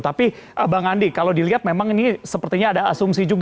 tapi bang andi kalau dilihat memang ini sepertinya ada asumsi juga